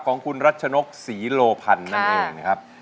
ของคุณรัชนกศรีโลพันธ์นั่นเองนะครับ